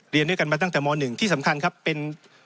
เรียนด้วยกันมาตั้งแต่ม๑ที่สำคัญครับเป็น